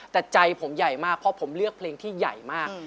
แต่ใจผมใหญ่มากเพราะผมเลือกเพลงที่ใหญ่มาก